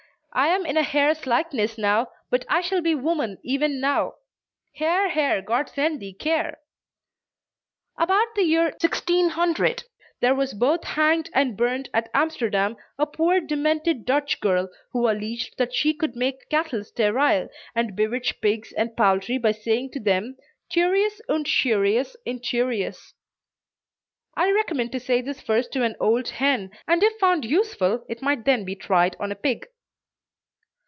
I am in a hare's likeness now; But I shall be woman even now Hare, hare, God send thee care!" About the year 1600 there was both hanged and burned at Amsterdam a poor demented Dutch girl, who alleged that she could make cattle sterile, and bewitch pigs and poultry by saying to them "Turius und Shurius Inturius." I recommend to say this first to an old hen, and if found useful it might then be tried on a pig.